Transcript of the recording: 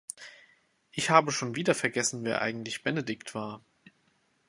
Ich habe schon wieder vergessen wer eigentlich Benedikt war.